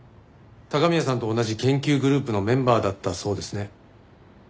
高宮さんと同じ研究グループのメンバーだったそうですね。